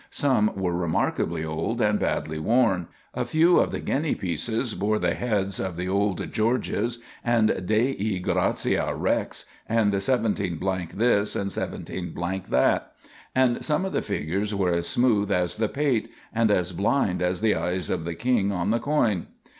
Some were remarkably old and badly worn. A few of the guinea pieces bore the heads of the old Georges and "Dei gratia Rex," and 17 this and 17 that, and some of the figures were as smooth as the pate, and as blind as the eyes, of the king on the coin.